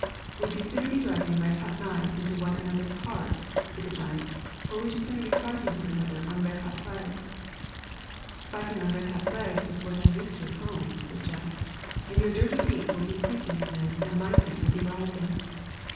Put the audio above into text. ' Would you sooner be driving red hot knives into one another's hearts,' said the giant, 'or would you sooner be fighting one another on red hot flags ?'' Fighting on red hot flags is what I'm used to at home,' said Jack, 'and your dirty feet will be sinking in them and my feet will be rising.'